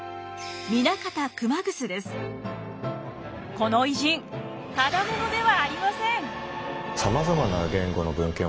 この偉人ただ者ではありません！